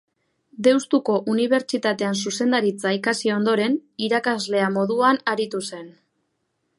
Deustuko Unibertsitatean zuzendaritza ikasi ondoren, irakaslea moduan aritu zen.